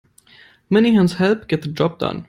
Many hands help get the job done.